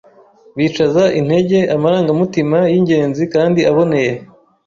bizaca intege amarangamutima y’ingenzi kandi aboneye.